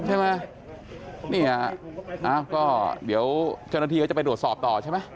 ใช่ไหมนี่อะเดี๋ยวเจ้าหน้าทีจะไปโดดสอบต่อใช่ไหม